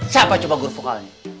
siapa coba guru vokalnya